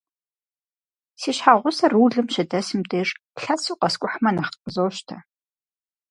Си щхьэгъусэр рулым щыдэсым деж, лъэсу къэскӏухьмэ нэхъ къызощтэ.